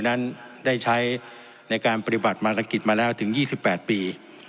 นั้นได้ใช้ในการปฏิบัติฯภารกิจมาแล้วถึงยี่สิบแปดปี